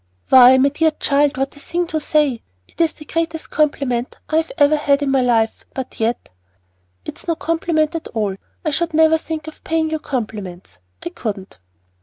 "Why, my dear child, what a thing to say! It's the greatest compliment I ever had in my life, but yet " "It's no compliment at all. I should never think of paying you compliments. I couldn't."